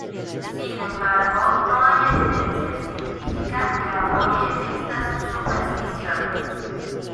Sin embargo, no hay evidencia científica que apoye estas supersticiones.